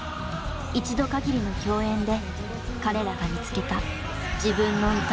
一度限りの共演で彼らが見つけた自分の歌。